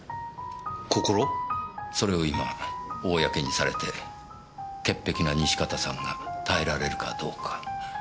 それを今公にされて潔癖な西片さんが耐えられるかどうか。